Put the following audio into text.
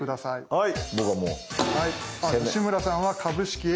はい。